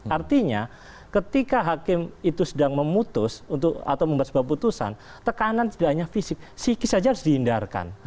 artinya ketika hakim itu sedang memutus atau membuat sebuah putusan tekanan tidak hanya fisik psikis saja harus dihindarkan